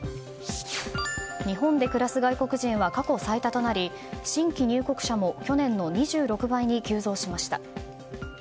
日本で暮らす外国人は過去最多となり新規入国者も去年の２６倍に急増しました。